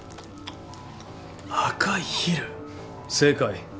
「赤い蛭」正解。